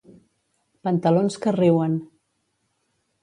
Pantalons que riuen.